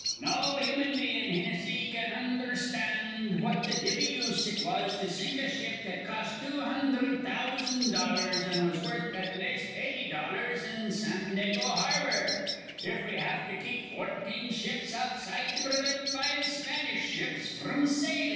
No human bein', Hinnissy, can undherstand what the divvie use it was to sink a ship that cost two hundherd thousan' dollars an' was worth at laste eighty dollars in Sandago Harbor, if we have to keep fourteen ships outside to prevint five Spanish ships fr'm sailin'.